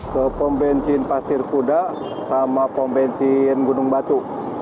ke pembensin pasir kuda sama pembensin gunung batu